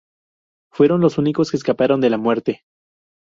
Fueron los únicos que escaparon de la muerte.